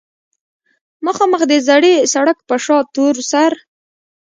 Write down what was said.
مخامخ د زړې سړک پۀ شا تورسر